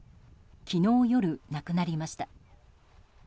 昨日夜、亡くなりました。